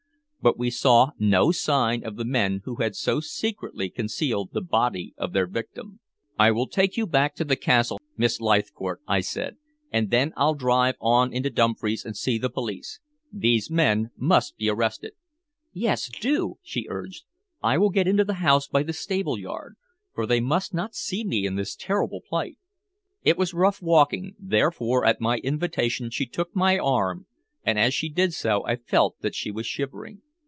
But we saw no sign of the men who had so secretly concealed the body of their victim. "I will take you back to the castle, Miss Leithcourt," I said. "And then I'll drive on into Dumfries and see the police. These men must be arrested." "Yes, do," she urged. "I will get into the house by the stable yard, for they must not see me in this terrible plight." It was rough walking, therefore at my invitation she took my arm, and as she did so I felt that she was shivering.